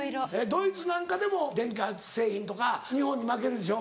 ドイツなんかでも電化製品とか日本に負けるでしょ。